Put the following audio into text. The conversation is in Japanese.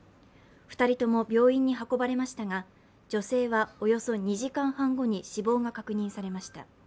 ２人とも病院に運ばれましたが女性はおよそ２時間半後に死亡が確認されました。